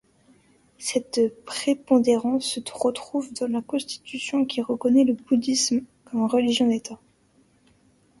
Cette prépondérance se retrouve dans la constitution qui reconnait le bouddhisme comme religion d’État.